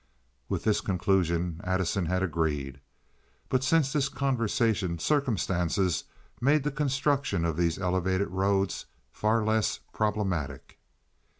With this conclusion Addison had agreed. But since this conversation circumstances made the construction of these elevated roads far less problematic.